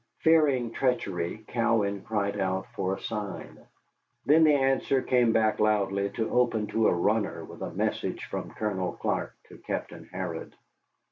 Fearing treachery, Cowan cried out for a sign. Then the answer came back loudly to open to a runner with a message from Colonel Clark to Captain Harrod.